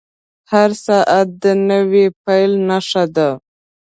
• هر ساعت د نوې پیل نښه ده.